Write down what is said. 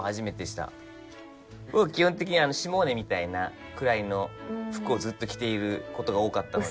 基本的にシモーネみたいなくらいの服をずっと着ていることが多かったので。